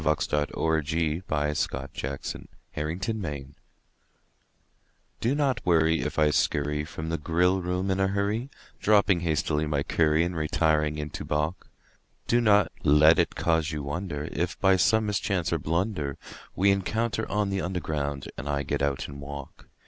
CUPID'S DARTS (Which are a growing menace to the public) Do not worry if I scurry from the grill room in a hurry, Dropping hastily my curry and re tiring into balk ; Do not let it cause you wonder if, by some mischance or blunder, We encounter on the Underground and I get out and walk.